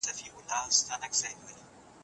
په ظاهره وي په سپینو جامو ښکلی